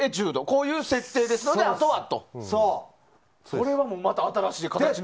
こういう設定なのであとはと。これはまた新しい形になる。